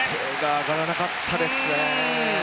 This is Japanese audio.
上がらなかったですね。